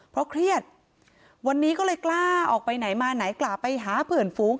เพราะเครียดวันนี้ก็เลยกล้าออกไปไหนมาไหนกล้าไปหาเพื่อนฝูง